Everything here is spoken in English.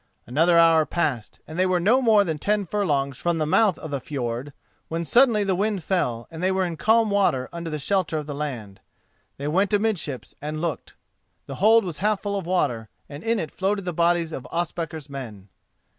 Another hour passed, and they were no more than ten furlongs from the mouth of the fjord, when suddenly the wind fell, and they were in calm water under shelter of the land. They went amidships and looked. The hold was half full of water, and in it floated the bodies of Ospakar's men.